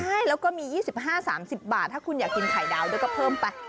ใช่แล้วก็มี๒๕๓๐บาทถ้าคุณอยากกินไข่ดาวด้วยก็เพิ่มไป